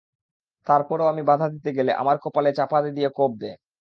তারপরও আমি বাধা দিতে গেলে আমার কপালে চাপাতি দিয়ে কোপ দেয়।